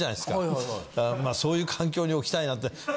そういう環境に置きたいなって。